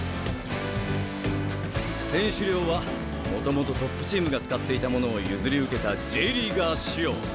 選手寮はもともとトップチームが使っていたものを譲り受けたＪリーガー仕様。